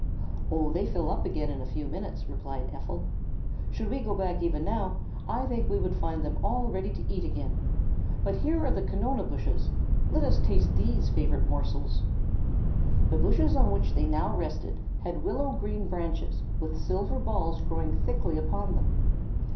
"Oh, they fill up again in a few moments," replied Ephel. "Should we go back even now, I think we would find them all ready to eat again. But here are the conona bushes. Let us taste these favorite morsels." The bushes on which they now rested had willow green branches with silver balls growing thickly upon them.